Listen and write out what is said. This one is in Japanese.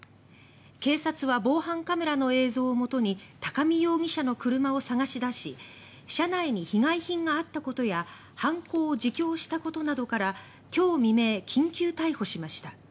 警察は防犯カメラの映像をもとに高見容疑者の車を探し出し車内に被害品があったことや犯行を自供したことなどから今日未明、緊急逮捕しました。